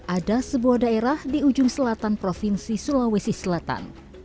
ada sebuah daerah di ujung selatan provinsi sulawesi selatan